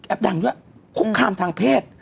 แอปดังด้วยหูครามทางเพศ